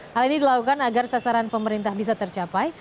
hal ini dilakukan agar sasaran pemerintah bisa tercapai